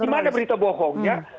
di mana berita bohongnya